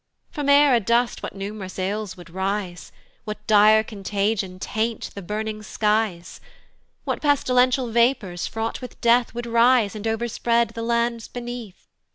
From air adust what num'rous ills would rise? What dire contagion taint the burning skies? What pestilential vapours, fraught with death, Would rise, and overspread the lands beneath?